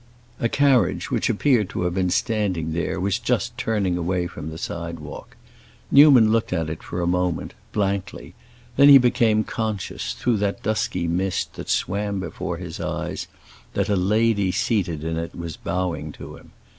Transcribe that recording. A carriage which appeared to have been standing there, was just turning away from the sidewalk. Newman looked at it for a moment, blankly; then he became conscious, through the dusky mist that swam before his eyes, that a lady seated in it was bowing to him.